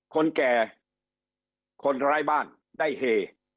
คนแก่คนร้ายบ้านได้เฮ